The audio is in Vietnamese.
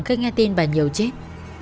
khi nghe tin bà nhiều chết